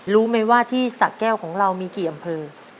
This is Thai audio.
รู้ไหมว่าที่สะแก้วของเรามีกี่อำเภอ